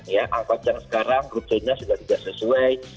ya anggota yang sekarang grup jenis juga tidak sesuai